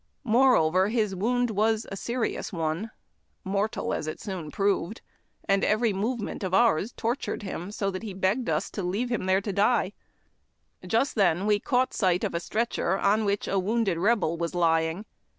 Moreover, his wound was a serious one, — mortal as it soon proved, — and every movement of ours tortured him so that he begged of us to leave him there to die. Just then we caught sight of a stretcher on which a wounded Rebel was lying.